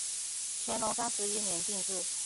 乾隆三十一年进士。